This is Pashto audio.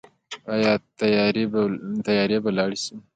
آیا تیارې به لاړې شي؟